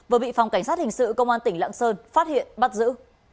vừa bị phòng cảnh sát hình sự công an tỉnh lạng sơn phát hiện bắt giữ